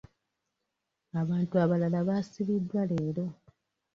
Abantu abalala baasibidwa leero.